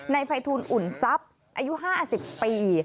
ภัยทูลอุ่นทรัพย์อายุ๕๐ปี